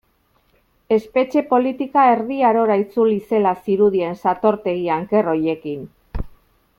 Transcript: Espetxe politika Erdi Arora itzuli zela zirudien satortegi anker horiekin.